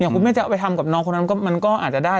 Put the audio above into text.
คุณแม่จะเอาไปทำกับน้องคนนั้นมันก็อาจจะได้